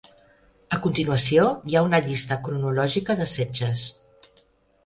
A continuació hi ha una llista cronològica de setges.